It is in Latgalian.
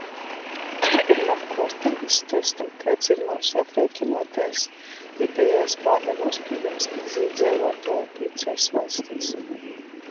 Pyrmom kuortom, izstuostom, kaids ir myusu apriekinuotais videjais pāda nūspīdums iz īdzeivuotuoju pīcuos vaļstīs.